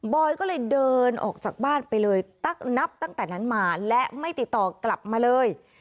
อยก็เลยเดินออกจากบ้านไปเลยนับตั้งแต่นั้นมาและไม่ติดต่อกลับมาเลย